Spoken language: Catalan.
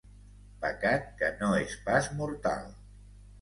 Pecat que no és pas mortal.